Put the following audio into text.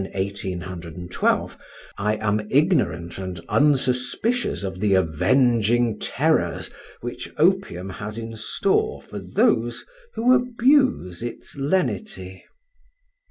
e_. in 1812), I am ignorant and unsuspicious of the avenging terrors which opium has in store for those who abuse its lenity.